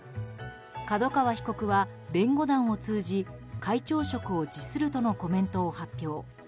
角川被告は弁護団を通じ会長職を辞するとのコメントを発表。